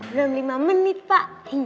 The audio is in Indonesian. belum lima menit pak